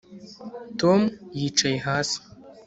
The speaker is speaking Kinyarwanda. Tom yicaye hasi